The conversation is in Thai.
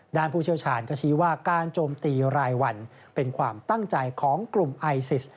ผู้เชี่ยวชาญก็ชี้ว่าการโจมตีรายวันเป็นความตั้งใจของกลุ่มไอซิส